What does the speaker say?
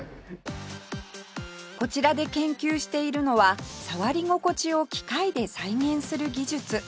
こちらで研究しているのは触り心地を機械で再現する技術